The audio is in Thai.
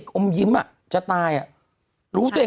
คุณหนุ่มกัญชัยได้เล่าใหญ่ใจความไปสักส่วนใหญ่แล้ว